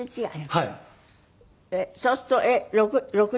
そうすると６７？